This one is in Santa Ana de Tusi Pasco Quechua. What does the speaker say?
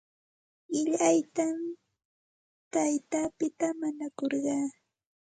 Qillaytam taytapita mañakurqaa.